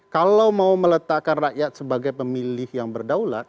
kalau mau meletakkan rakyat sebagai pemilih yang berdaulat